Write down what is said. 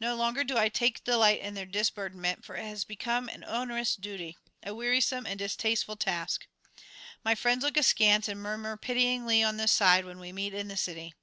No longer do I take delight in their disburdenment, for it has become an onerous duty, a wearisome and distasteful task. My friends look askance and murmur pityingly on the side when we meet in the city.